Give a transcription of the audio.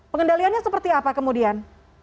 pengendaliannya seperti apa kemudian